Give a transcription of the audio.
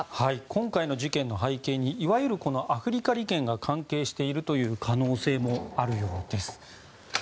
今回の事件の背景にいわゆるアフリカ利権が関係している可能性もあるようです。